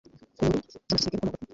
ku nyungu z amasosiyete gikomoka ku